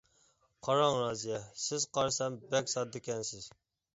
-قاراڭ رازىيە، سىز قارىسام بەك ساددىكەنسىز.